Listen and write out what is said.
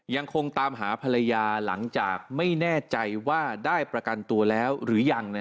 ยังคงตามหาภรรยาหลังจากไม่แน่ใจว่าได้ประกันตัวแล้วหรือยัง